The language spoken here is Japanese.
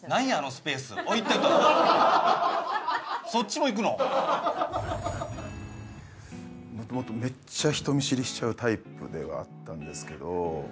もともとめっちゃ人見知りしちゃうタイプではあったんですけど。